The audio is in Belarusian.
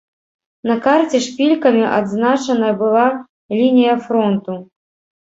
На карце шпількамі адзначана была лінія фронту.